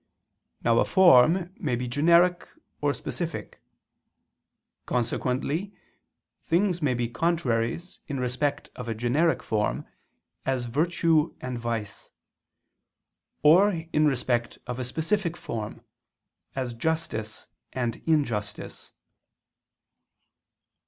Now a form may be generic or specific. Consequently things may be contraries in respect of a generic form, as virtue and vice; or in respect of a specific form, as justice and injustice.